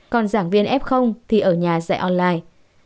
còn giảng viên f thì ở nhà dạy online